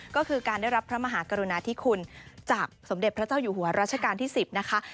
ก็คือการได้รับพระมหากรุณาธิคุณจากสมเด็จพระเจ้าอยู่หัวรัชกาลที่๑๐นะคะ